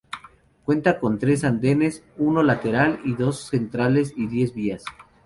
Cuenta con tres andenes, uno lateral y dos centrales y diez vías.